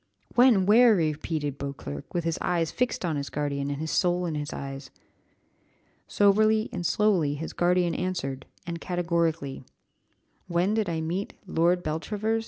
"When, where?" repeated Beauclerc, with his eyes fixed on his guardian, and his soul in his eyes. Soberly and slowly his guardian answered, and categorically, "When did I meet Lord Beltravers?